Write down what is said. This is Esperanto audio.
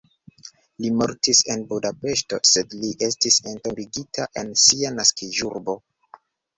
Li mortis en Budapeŝto sed li estis entombigita en sia naskiĝurbo.